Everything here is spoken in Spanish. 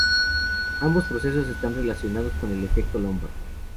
Ambos procesos están relacionados con el efecto Lombard.